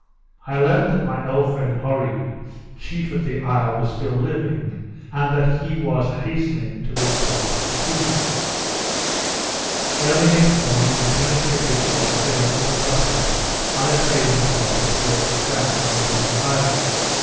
I learnt that my old friend Oree, chief of the isle, was still living, and that he was hastening to this part to see me. Early next morning, Lieutenant Pickersgill sailed with the cutter, on a trading party, toward the south end of the isle.